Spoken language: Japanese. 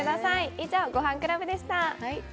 以上、「ごはんクラブ」でした。